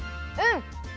うん。